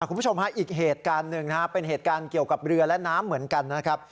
คุณผู้ชมฮะอีกเหตุการณ์หนึ่งนะครับเป็นเหตุการณ์เกี่ยวกับเรือและน้ำเหมือนกันนะครับ